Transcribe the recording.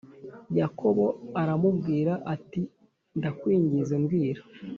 Yakobo aramubwira ati Ndakwinginze mbwira